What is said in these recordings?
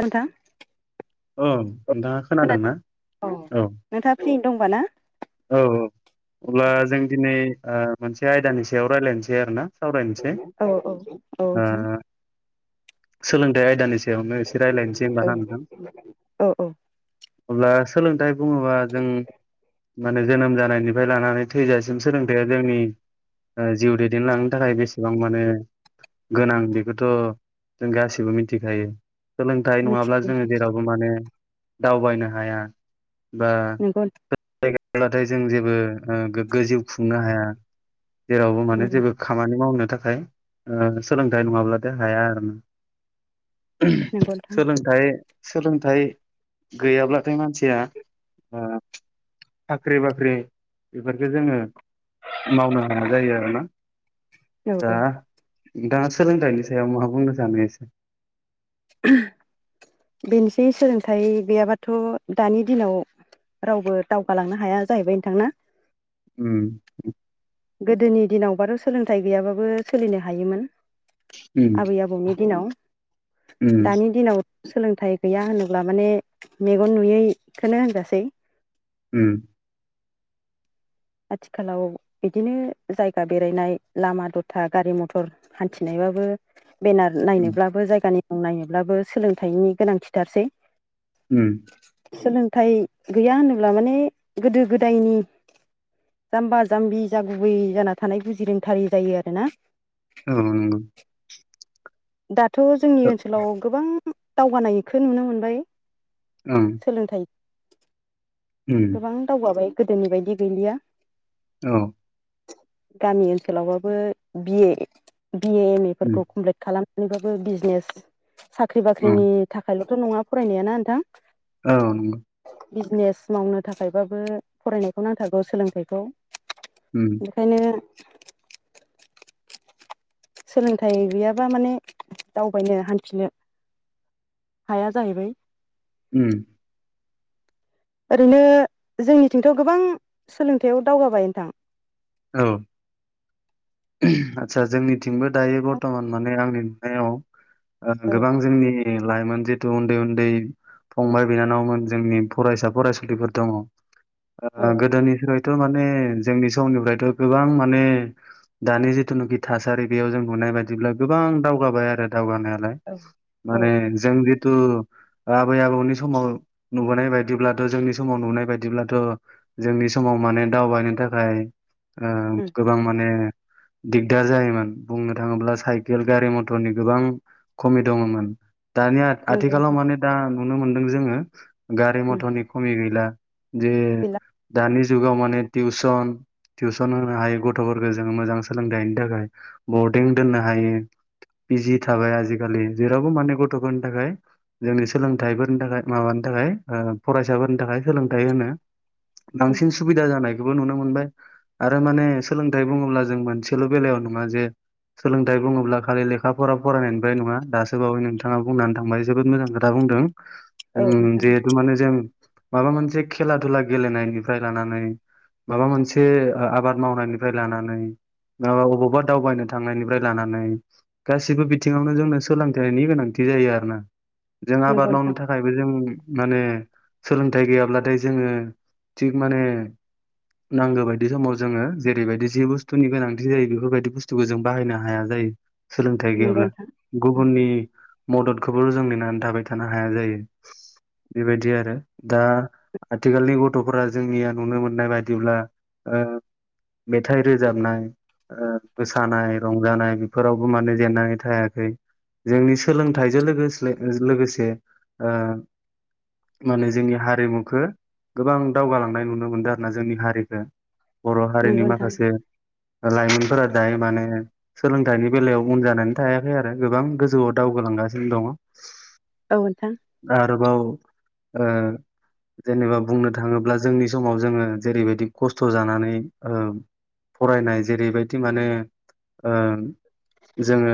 हेल' नोंथां औ नोंथाङा खोनादों खोनादोंना औ नोंथाङा फ्रियैनो दंबा ना औ औ अब्ला जों दिनै ओ मोनसे आयदानि सायाव रायज्लायनोसै आरो ना सावरायनोसै औ औ ओ नोंथां सोलों थाइ आयदानि सायावनो एसे रायलायनोसै होनबा ना नोंथां अब्ला औ औ सोलोंथाइ बुङोबा जों माने जोनोम जानायनिफ्राय लानानै थैजासिम सोलोंथाइया जोंनि ओ जिउ दैदेनलांनो थाखाय बेसेबां माने गोनां बेखौथ' जों गासिबो मिथिखायो सोलोंथाइ नङाब्ला मिथि जोङो जेरावबो माने दावबायनो हाया बा नंगौ [inaudible] ब्लाथाय जों जेबो ओ गोग्गो जिउ खुंनो हाया। जेरावबो उम माने जेबो खामानि मावनो थाखाय सोलोंथाइ नङाब्लाथाय हाया आरो ना नंगौ [inaudible] नोंथां सोलोंथाइ सोलोंथाइ गैयाब्लाथाय मानसिया ओ साख्रि बाख्रि बेफोरखो जोङो मावनो हाया जायो आरोना औ दा औ नोंथाङा सोलोंथाइनि सायाव मा बुंनो सानो एसे [inaudible] बेनोसै सोलोंथाइ गैयाबाथ' दानि दिनाव रावबो दावगालांनो हाया जाहैबाय नोंथां ना उ गोदोनि दिनावबाथ' सोलोंथाइ गैयाबाबो सोलिनो हायोमोन। उम आबै आबौनि दिनाव उम दानि दिनाव सोलोंथाइ गैया होनोब्ला माने मेगन नुयैखोनो होनजासै उ आथिखालाव बिदिनो जायगा बेरायनाय लामा दथा गारि मथर हान्थिनायाव बार उम नायनोबो जायगानि नायनोबो सोलोंथाइनि गोनांथिथारसै उ सोलोंथाइ गैया होनोब्ला माने गोदो गोदायनि जाम्बा जाम्बि जा गुबै जाना थानाय बुजि रोंथारि जायो आरोना औ दाथ' जोंनि ओनसोलाव गोबां दावगानायखौ नुनो मोनबाय ओं सोलोंथाइ उम गोबां दावगाबाय गोदोनि बायदि गैलिया औ गामि ओनसोलावबाबो बि बिए एम एफोरखौ कमप्लिट खालाम मानबाबो बिजनेस साख्रि उम बाख्रिनि थाखायल'थ' नङा फरायनाया नोंथां औ नंगौ बिजनेस मावनो थाखायबाबो फरायनायखौ नांथारगौ सोलोंथाइखौ उम बेखायनो सोलोंथाइ गैयाबा माने दावबायनो हान्थिनो हाया जाहैबाय उ ओरैनो जोंनिथिंथ' गोबां सोलोंथाययाव दावगाबाय नोंथां औ आतसा जोंनिथिंबो दायो बरथमान माने आंनि नुनायाव औ गोबां जोंनि लाइमोन जिथु उन्दै उन्दै फंबाय बिनानावमोन जोंनि फरायसा फरायसुलिफोर दङ औ गोदोनिफ्रायथ' माने जोंनि समनिफ्राय गोबां माने दानि जिथुनाखि थासारि बेयाव जों नुनाय बायदिब्ला गोबां दावगाबाय आरो दावगानायालाय औ औ माने जों थु आबै आबौनि समाव नुबोनाय बायदिब्लाथ' जोंनि समाव नुबोनाय बायदिब्लाथ' जोंनि समाव माने दावबायनो थाखाय उम गोबां माने दिग्दार जायोमोन बुंनो थाङोब्ला साइकेल गारि मथरनि गोबां खमि दङमोन दानिया नंगौ आथिखालाव नोंथां माने दा नुनो मोनदों जोङो गारि उम मथरनि खमि गैला जे गैला दानि जुगाव माने टिउसन टिउसन होनो हायो गथ'फोरखौ जोङो मोजां सोलोंथाइनि थाखाय बरडिं दोननो हायो बिजि थाबाय आजिखालि जेरावबो माने गथ'फोरनि थाखाय जोंनि सोलोंथाइफोरनि थाखाय माबानि थाखाय फरायसाफोरनि थाखाय सोलोंथाइ होनो उम बांसिन सुबिदा जानायखौबो नुनो मोनबाय आरो माने सोलोंथाइ बुङोब्ला जों मोनसेल' बेलायाव नङा जे सोलोंथाइ बुङोब्ला खालि लेखाफोरा फरायनायनिफ्राय नङा दासो बावै नोंथाङा बुंनानै थांबाय जोबोद मोजां खोथा बुंदों औ उ नोंथां जिहेथु माने जों माबा मोनसे खेला दुला गेलेनायनिफ्राय लानानै माबा मोनसे एसे आबाद मावनायनिफ्राय लानानै मा अबावबा दावबायनो थांनायनिफ्राय लानानै गासिबो बिथिङावनो जोंनो सोलोंथाइनायनि गोनांथि जायो आरोना जों नंगौ आबाद नोंथां मावनो थाखायबो जों माने सोलोंथाइ गैयाब्लाथाय जोङो थिग माने नांगौ बायदि समाव जोङो जेरैबायदि जि बुस्थुनि गोनांथि जायो बेफोरबायदि बुस्थुखौ जों बाहायनो हाया जायो सोलोंथाइ नंगौ गैयाब्ला नोंथां उम गुबुननि मदद बे खौबो जों नेनानै थाबाय थानो हाया जायो बेबायदि आरो दा आथिखालनि गथ'फोरा जोंनिया नुनो मोननाय बायदिब्ला मेथाइ रोजाबनाय मोसानाय रंजानाय बेफोरावबो माने जेननानै थायाखै जोंनि सोलोंथाइजों लोगोसे लोगोसे माने जोंनि हारिमुखौ गोबां दावगालांनाय नुनो मोनदों आरोना जोंनि हारि बर' हारिनि नंगौ नोंथां माखासे लाइमोनफोरा दायो माने सोलोंथाइनि बेलायाव उन जानानै थायाखै आरो गोबां गोजौआव दावगालांगासिनो दङ औ नोंथां आरोबाव जेनेबा बुंनो थाङोब्ला जोंनि समाव जोङो जेरैबायदि खस्थ' जानानै फरायनाय जेरैबायदि माने जोङो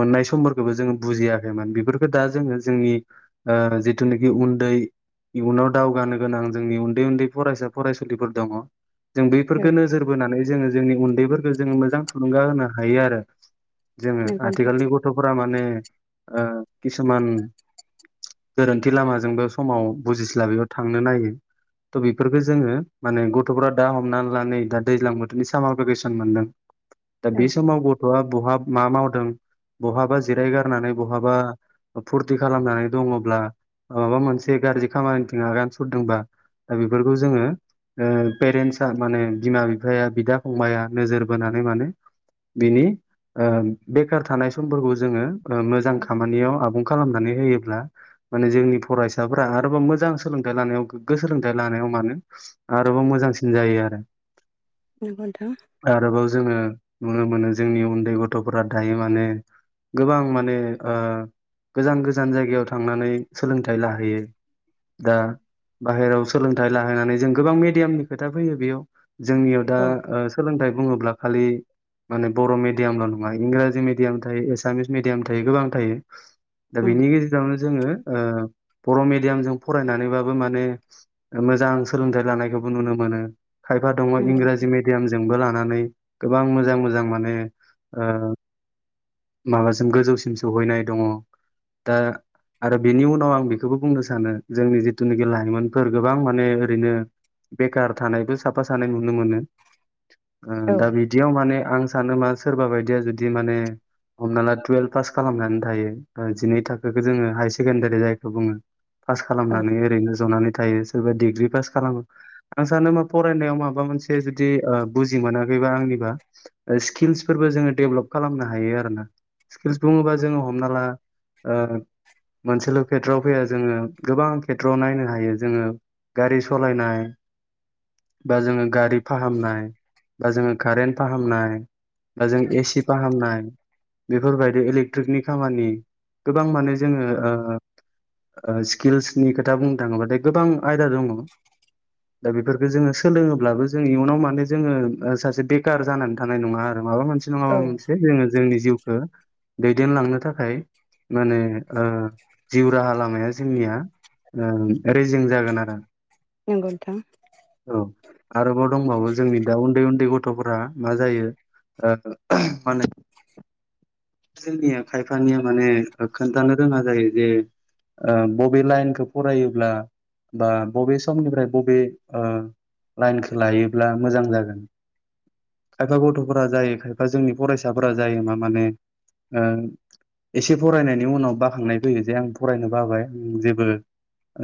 मोननाय समफोरखौबो जोङो बुजियाखैमोन बेफोरखौ दा जोङो जोंनि जिथुनाखि उन्दै इयुनाव दावगानो गोनां जोंनि उन्दै उन्दै फरायसा फरायसुलिफोर दङ जों औ बैफोरखौ नोजोर बोनानै जोङो जोंनि उन्दैफोरखौ जोङो मोजां थुलुंगा होनो हायो आरो जोङो नंगौ नोंथां आथिखालनि गथ'फोरा माने किसुमान गोरोन्थि लामाजोंबो समाव बुजिस्लाबैयाव बेयाव थांनो नायो त' बेफोरखौ जोङो माने गथ'फ्रा दा हमनानै लानानै दा दैज्लां बोथोरनि सामार भेकेसन मोनदों दा बे औ समाव गथ' बा बहा मा मावदों बहाबा जिराय गारनानै बहाबा फुरथि खालामनानै दङब्ला माबा मोनसे गाज्रि खामानिनिथिं आगान सुरदोंबा दा बेफोरखौ जोङो पेरेन्टसा माने बिमा बिफाया बिदा फंबाया नोजोर बोनानै माने बिनि बेखार थानाय समफोरखौ जोङो मोजां खामानियाव आबुं खालामनानै होयोब्ला माने जोंनि फरायसाफोरा आरोबाव मोजां सोलोंथाइ लानायाव गोग्गो सोलोंथाइ लानायाव मानो आरोबाव मोजां जायो आरो नंगौ नोंथां आरोबाव जोङो नुनो मोनो जोंनि उन्दै गथ'फोरा दायो माने गोबां माने गोजान गोजान जायगायाव थांनानै सोलोंथाइ लाहैयो दा बाहेरायाव सोलोंथाइ लाहैानै जों गोबां मिडियामनि खोथा फैयो बेयाव जोंनियाव दा औ सोलोंथाइ बुङोब्ला खालि माने बर' मिडियामल' नङा इंराजि मिडियाम थायो एसामिस मिेडियाम थायो गोबां थायो दा औ बेनि गेजेरावनो जोङो बर' मिडियाम जों फरायनानैबाबो माने मोजां सोलोंथाइ लानायखौबो नुनो मोन मोनो खायफा दङ नंगौ इंराजि मिडियामजोंबो लानानै गोबां मोजां मोजां माने माबासिम गोजौसिम सौहैनाय दङ दा आरो बिनि उनाव आं बेखौबो बुंनो सानो जोंनि जिथुनाखि लाइमोनफोर गोबां माने ओरैनो बेखार थानायबो साफा सानाय नुनो मोनो औ दा बिदियाव माने आं सान मा सोरबा बायदिया जुदि माने हमना ला टुयेल्भ पास खालामनानै थायो जिनै थाखोखौ जोङो हायार सेकेण्डारि जायखौ बुङो पास खालामनानै ओरैनो जनानै थायो सोरबा डिग्रि पास खालामो आं सानोबा फरायनायाव माबा मोनसे जुदि बुजि मोनाखैबा आंनिबा स्किल्सफोरबो जोेभप खालामनो हायो आरोना स्किल् बुङोबा जोङो हमना ला मोनसेल' खेथ्रआव फैया जोङो गोबां खेथ्रआव नायनो हायो जोङो गारि सालायनाय बा जोङो गारि फाहामनाय बा जोङो कारेन्ट फाहामनाय दा जों एसि फाहामनाय बेफोरबायदि इलेक्ट्रिकनि खामानि गोबां माने जोङो स्किल्सनि खोथा बुंनो थाङोबाथाय गोबां दा बेफोरखौ जोङो सोलोङोब्लाबो जोङो इयुनाव माने सासे बेखार जानानै थानाय नङा आरो माबा मोनसे नङा औ माबा मोनसे जोङो जोंनि जिउखौ दैदेनलांनो थाखाय माने जिउ राहा लामाया जोंनिया रेजिं जागोन आरो नंगौ नोंथां औ आरोबाव दंबावो जोंनि दा उन्दै उन्दै गथ'फोरा मा जायो माने जोंनिया खायफानिया माने खोन्थानो रोङा जायो जे बबे लाइनखौ फरायोब्ला बा बबे समनिफ्राय बबे ओ लाइनखौ लायोब्ला मोजां जागोन खायफा गथ'फोरा जायो खायफा जोंनि फरायसाफोरा जायो मा माने ओ एसे फरायनायनि उनाव बाखांनाय फैयो जे आं फरायनो बाबाय आं जेबो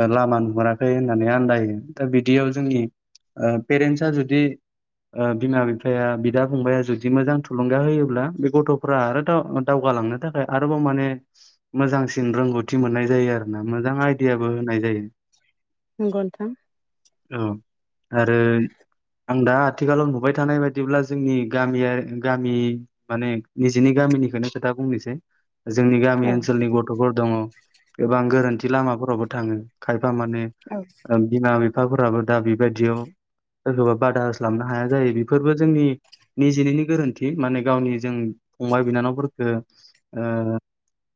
ओ लामा नुहुराखै होननानै आन्दायो दा बिदियाव जोंनि पेरेन्टस आ जुदि ओ बिमा बिफाया बिदा फंबाया जुदि मोजां थुलुंगा होयोब्ला बे गथ'फोरा आरो दावग गालांनो थाखाय आरोबाव माने मोजांसिन रोंगौथि मोननाय जायो आरो ना मोजां आइदियाबो होनाय जायो नंगौ नोंथां औ आरो आं दा आथिखालाव नुबाय थानाय बायदिब्ला जोंनि गामियारि गामि माने निजेनि गामि गामिनिखौनो खोथा बुंनोसै जोंनि गामि औ ओनसोलनि गथ'फोर दङ गोबां गोरोन्थि लामाफोरावबो थाङो खाय फा माने औ बिमा बिफाफोराबो दा बेबायदियाव सोरखौबा बादास्लाबनो हाया जायो बेफोरबो जोंनि निजिनिनो गोरोन्थि माने गावनि जों फंबाय बिनानावफोरखौ ओ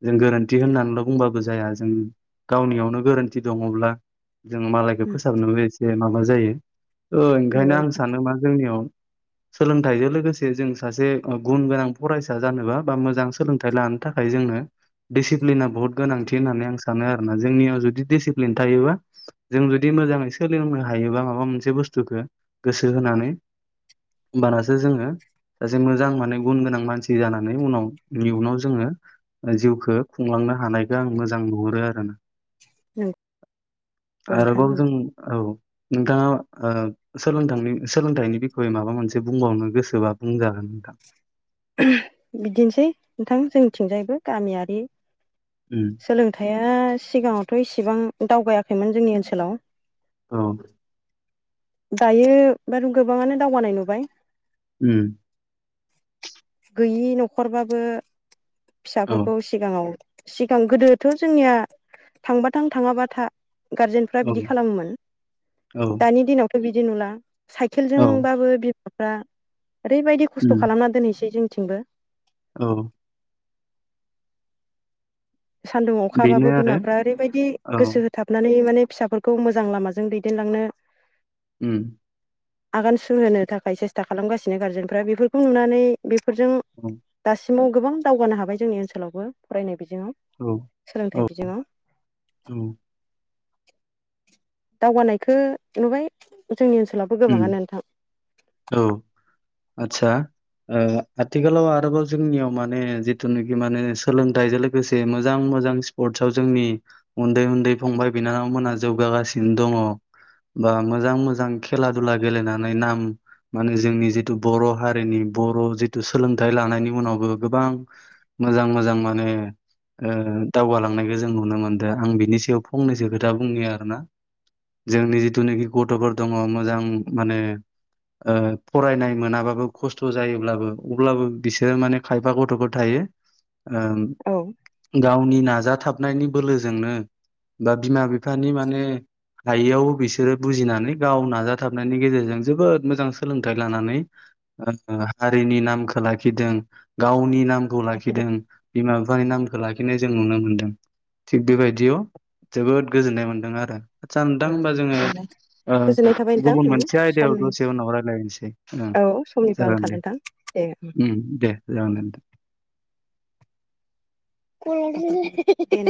जों गोरोन्थि होननानैल' बुंबाबो जाया जों गावनियावनो गोरोन्थि दङब्ला जों मालायखौ फोसाबनोबो एसे माबा जायो ओ ओंखायनो नंगौ आं सानो मा जोंनियाव [unintelligible] सोलोंथाइजों लोगोसे जों सासे गुन गोनां फरायसा जानोबा बा मोजां सोलोंथाइ लानो थाखाय जोंनो दिडिसिप्लिना बुहुत गोनांथि होननानै आं सानो आरोना जोंनियाव जुदि डिसिप्लिन थायोबा जों जुदि मोजाङै सोलोंनो हायोबा माबा मोनसे बुस्थुखौ गोसो होनानै होमबानासो जोङो सासे मोजां माने गुन गोनां मानसि जानानै उनाव इ उुनाव जोङो जिउखौ खुंलानो नो हानायखौ आं मोजां नुहुरो आरो ना औ [unintelligible] आरोबाव जों औ नोंथाङा ओ सोलोंथांनि सोलोंथाइनि बिखयै माबा मोनसे बुंबावनो गोसोबा बुंजागोन नोंथां बिदिनोसै नोंथां जोंनिथिंजायबो गामियारि उम सोलोंथायाइया सिगाङावथ' इसिबां दावगायाखैमोन जोंनि ओनसोलाव औ दायो बार गोबाङानो दावगानाय नुबाय उम गैयि न'खरबाबो औ फिसाफोरखौ सिगाङाव सिगां गोदोथ' जोंनिया थांबा थां थाङाबा था गारजेनफ्रा औ बिदि खालामोमोन औ दानि दिनावथ' बिदि नुला औ साइकेलजोंबाबो बिमाफ्रा ओरैबायदि खस्थ' उम खालामना दोनहैनोसै जोंनिथिंबो औ सान्दुं बेनो अखाबाबो आरो बिमाफ्रा ओरैबायदि औ गोसो होथाबनानै माने फिसाफोरखौ मोजां लामाजों दैदेनलांनो उम आगान सुरहोनो थाखाय सेस्था खालामगासिनो गार्जेनफ्रा बेफोरखौ नुनानै बे फोरजों औ दासिमाव गोबां दावगानो हाबाय जोंनि ओनसोलावबो फरायनाय बिजोङाव औ औ सोलोंथाइ औ बिजोङाव दावगानायखौ नुबाय जोंनि ओनसोलावबो उम गोबाङानो नोंथां आतसा ओ आथिखालाव आरोबाव जोंनियाव माने जिथुनाखि माने सोलोंथाइजों लोगोसे मोजां मोजां स्पर्टस आव जोंनि उन्दै उन्दै फंबाय बिनानावमोनहा जौगागासिनो दङ बा मोजां मोजां खेला दुला गेलेनानै नाम माने जोंनि जिथु बर' हारिनि बर' जिथु सोलोंथाइ लानायनि उनावबो गोबां मोजां मोजां माने दावगालांनायखौ जों नुनो मोनदों आं बिनि सायाव फंनैसो खोथा बुंनो आरोना जोंनि जिथुनाखि गथ'फोर दङ मोजां माने फरायनाय मोनाबाबो खस्थ' जायोब्लाबो अब्लाबो बिसोरो माने खायफा गथ'फोर थायो औ गावनि नाजाथाबनायनि बोलोजोंनो बा बिमा बिफानि माने हायियाव बिसोरो बुजिनानै गाव नाजाथाबनायनि गेजेरजों जोबोद मोजां सोलोंथाइ लानानै हारिनि नामखौ लाखिदों गावनि नामखौ लाखिदो लाखिदों बिमा बिफानि नामखौ लाखिनाय जों नुनो मोन्दों थिग बेबायदियाव जोबोद गोजोननाय मोनदों आरो आदसा नोंथां औ हबा जोङो गोजोननाय ओ गोजोननाय थाबाय गुबुन नोंथां मोनसे सम आयदायाव दसे उनाव रायलायनोसै ओं औ समनिबो जागोन आंखाल दे नोंथां दे ओ दे जागोन [inaudible]